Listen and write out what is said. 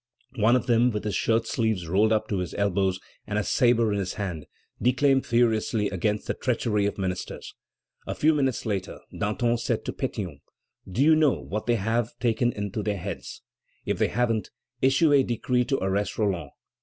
One of them, with his shirt sleeves rolled up to his elbows, and a sabre in his hand, declaimed furiously against the treachery of ministers. A few minutes later, Danton said to Pétion: "Do you know what they have taken into their heads? If they haven't issued a decree to arrest Roland!"